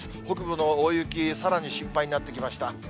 北部の大雪、さらに心配になってきました。